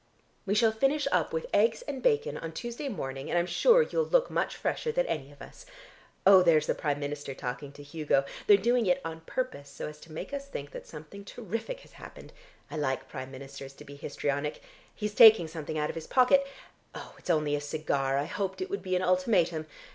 We shall finish up with eggs and bacon on Tuesday morning, and I'm sure you'll look much fresher than any of us. Oh, there's the Prime Minister talking to Hugo. They're doing it on purpose so as to make us think that something terrific has happened. I like Prime Ministers to be histrionic. He's taking something out of his pocket. It's only a cigar; I hoped it would be an ultimatum.